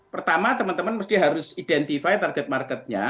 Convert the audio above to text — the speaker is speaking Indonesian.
pertama teman teman harus identifikasi target marketnya